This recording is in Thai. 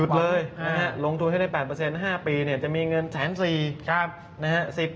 เลยลงทุนให้ได้๘๕ปีจะมีเงิน๑๔๐๐นะฮะ